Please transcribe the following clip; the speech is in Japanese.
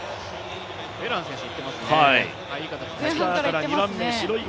ベラン選手いってます。